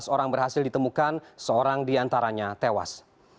sembilan belas orang berhasil ditemukan seorang diantaranya tewas